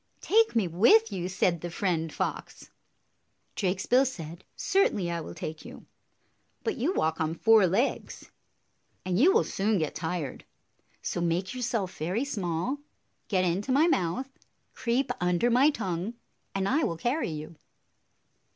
"Take me with you!" said the Friend Fox. Drakesbill said, "Certainly I will take you; but you walk on four legs, and you will soon get tired. So make yourself very small, get into my mouth, creep under my tongue, and I will carry you."